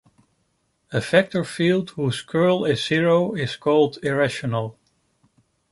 A vector field whose curl is zero is called irrotational.